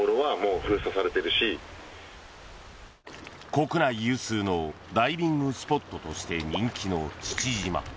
国内有数のダイビングスポットとして人気の父島。